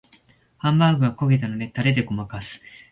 ハンバーグが焦げたのでタレでごまかす